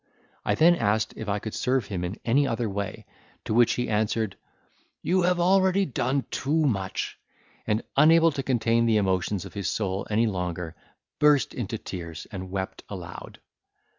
I then asked if I could serve him in any other way; to which he answered, "You have already done too much;" and, unable to contain the emotions of his soul any longer, burst into tears, and wept aloud.